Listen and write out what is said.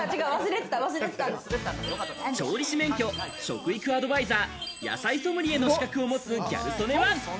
調理師免許、食育アドバイザー、野菜ソムリエの資格を持つギャル曽根は。